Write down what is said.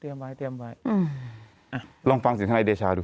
เตรียมไว้เตรียมไว้อ่ะลองฟังสิทธิ์ทนายเดชาดู